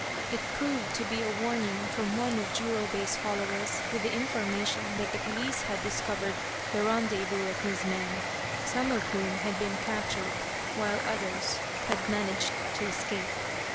It proved to be a warning from one of Jurobei's followers with the information that the police had discovered the rendezvous of his men some of whom had been captured while others had managed to escape.